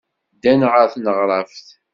Ddan ɣer tneɣraft.